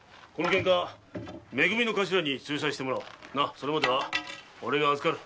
それまでは俺が預かる。